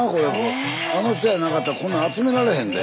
あの人やなかったらこんな集められへんで。